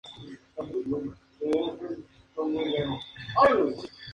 Este relato pone en relieve el mundo de la violencia en el ámbito escolar.